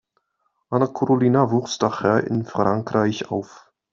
Anna Karolina wuchs daher in Frankreich auf.